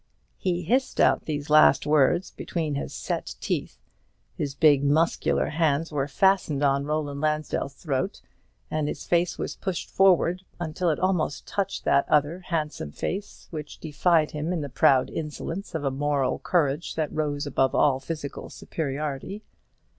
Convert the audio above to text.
He hissed out these last words between his set teeth. His big muscular hands were fastened on Roland Lansdell's throat; and his face was pushed forward until it almost touched that other handsome face which defied him in the proud insolence of a moral courage that rose above all physical superiority.